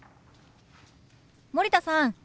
森田さん